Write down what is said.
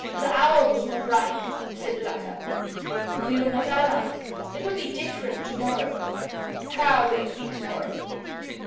"The hour was not ripe," said the latter, "and we were not allied. It will be different to morrow." "How will it be to morrow?"